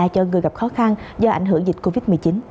cho người gặp khó khăn do ảnh hưởng dịch covid một mươi chín